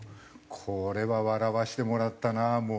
これは笑わせてもらったなもう。